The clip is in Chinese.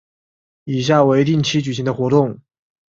以下为定期举行的活动